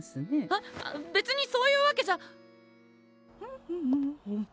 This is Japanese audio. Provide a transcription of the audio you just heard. あっ別にそういうわけじゃ。